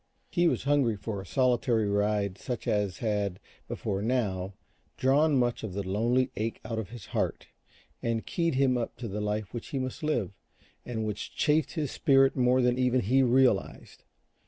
He was hungry for a solitary ride such as had, before now, drawn much of the lonely ache out of his heart and keyed him up to the life which he must live and which chafed his spirit more than even he realized.